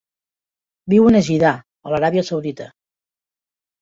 Viuen a Jiddah, a l'Aràbia Saudita.